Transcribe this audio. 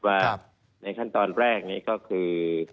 ว่าในขั้นตอนแรกนี้ก็คือ